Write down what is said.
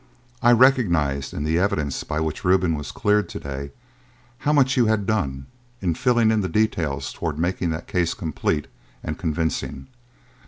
I recognised in the evidence by which Reuben was cleared to day how much you had done, in filling in the details, towards making the case complete and convincing.